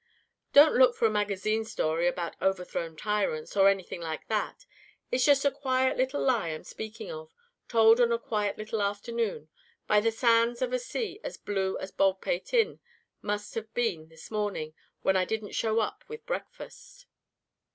Don't look for a magazine story about overthrown tyrants, or anything like that. It's just a quiet little lie I'm speaking of, told on a quiet little afternoon, by the sands of a sea as blue as Baldpate Inn must have been this morning when I didn't show up with breakfast.